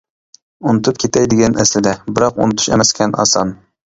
ئۇنتۇپ كېتەي دېگەن ئەسلىدە، بىراق ئۇنتۇش ئەمەسكەن ئاسان.